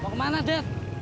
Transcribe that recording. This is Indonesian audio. mau kemana de